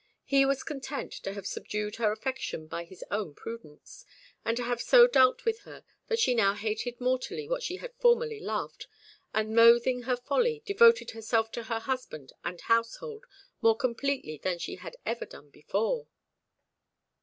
He was content to have subdued her affection by his own prudence, and to have so dealt with her that she now hated mortally what she had formerly loved, and, loathing her folly, devoted herself to her husband and household more completely than she had ever done before.